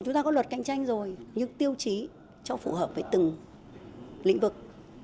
chúng ta có luật cạnh tranh rồi nhưng tiêu chí cho phù hợp với từng lĩnh vực